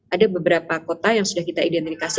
ada beberapa kota yang sudah kita identifikasi